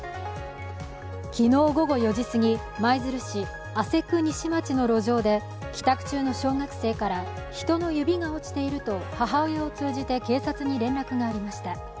昨日午後４時すぎ、舞鶴市朝来西町の路上で帰宅中の小学生から人の指が落ちていると母親を通じて警察に連絡がありました。